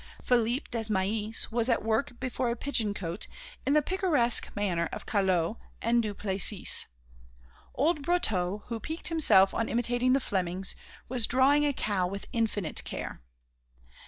Philippe Desmahis was at work before a pigeon cote in the picaresque manner of Callot and Duplessis. Old Brotteaux who piqued himself on imitating the Flemings, was drawing a cow with infinite care.